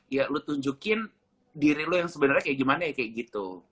ya lo tunjukin diri lo yang sebenarnya kaya gimana ya kaya gitu